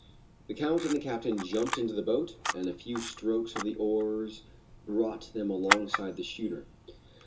The Count and the captain jumped into the boat and a few strokes of the four oars brought them alongside of the schooner.